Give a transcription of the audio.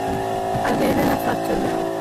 Aveva la faccia bianca